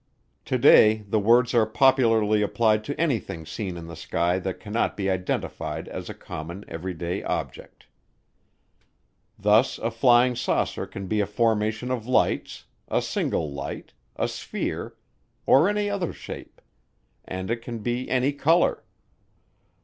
Today the words are popularly applied to anything seen in the sky that cannot be identified as a common, everyday object. Thus a flying saucer can be a formation of lights, a single light, a sphere, or any other shape; and it can be any color.